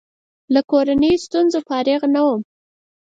له کورنیو ستونزو فارغ نه وم.